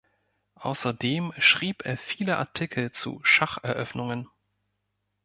Außerdem schrieb er viele Artikel zu Schacheröffnungen.